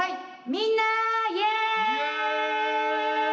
みんなイエイ！